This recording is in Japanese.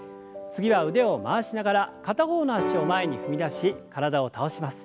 次は腕を回しながら片方の脚を前に踏み出し体を倒します。